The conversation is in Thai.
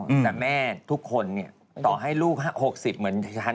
แต่แม่ทุกคนเนี่ยต่อให้ลูก๖๐เหมือนฉัน